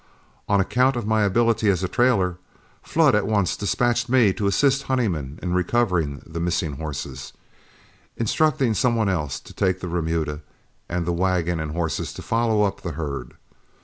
On account of my ability as a trailer, Flood at once dispatched me to assist Honeyman in recovering the missing horses, instructing some one else to take the remuda, and the wagon and horses to follow up the herd.